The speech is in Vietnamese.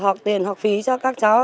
học tiền học phí cho các cháu